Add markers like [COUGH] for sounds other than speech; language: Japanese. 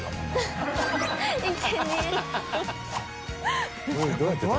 いけにえ [LAUGHS]